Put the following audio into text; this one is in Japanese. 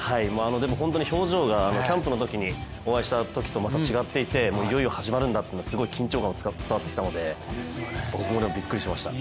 本当に表情がキャンプのときにお会いしたときとまた違っていて、いよいよ始まるんだという緊張感が伝わってきたんで僕もびっくりしました。